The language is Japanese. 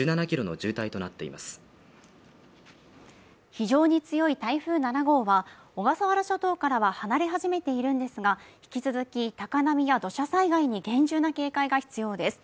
非常に強い台風７号は小笠原諸島からは離れ始めているんですが引き続き高波や土砂災害に厳重な警戒が必要です